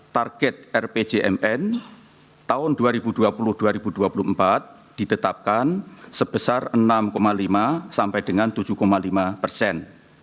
target rpjmn tahun dua ribu dua puluh dua ribu dua puluh empat ditetapkan sebesar enam lima sampai dengan tujuh lima persen